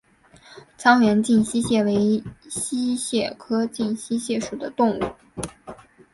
沧源近溪蟹为溪蟹科近溪蟹属的动物。